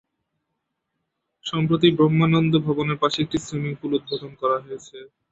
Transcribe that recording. সম্প্রতি ব্রহ্মানন্দ ভবনের পাশে একটি সুইমিং পুল উদ্বোধন করা হয়েছে।